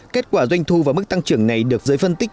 kết quả doanh thu và mức tăng trưởng này được giới phân tích